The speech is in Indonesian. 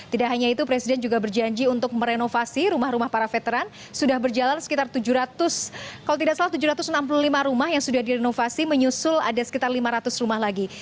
tidak hanya itu presiden juga berjanji untuk merenovasi rumah rumah para veteran sudah berjalan sekitar tujuh ratus kalau tidak salah tujuh ratus enam puluh lima rumah yang sudah direnovasi menyusul ada sekitar lima ratus rumah lagi